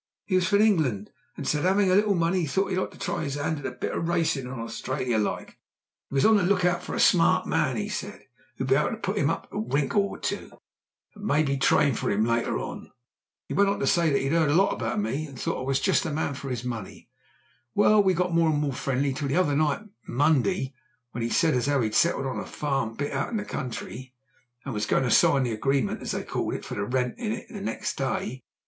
He was from England, he said and having a little money thought he'd like to try his 'and at a bit o' racing in Australia, like. He was on the look out for a smart man, he said, who'd be able to put him up to a wrinkle or two, and maybe train for him later on. He went on to say that he'd 'eard a lot about me, and thought I was just the man for his money. Well, we got more and more friendly till the other night, Monday, when he said as how he'd settled on a farm a bit out in the country, and was going to sign the agreement, as they called it, for to rent it next day.